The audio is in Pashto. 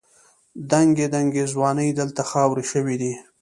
دنګې دنګې ځوانۍ دلته خاورې شوې دي.